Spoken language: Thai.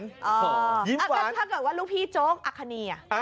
ถ้าเกิดว่าลูกพี่โจ๊กอคณีอ่ะ